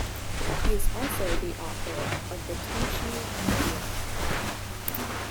He is also the author of the Tenchi Muyo!